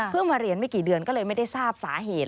มาเรียนไม่กี่เดือนก็เลยไม่ได้ทราบสาเหตุ